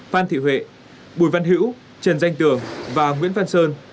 phan thị huệ bùi văn hữu trần danh tưởng và nguyễn văn sơn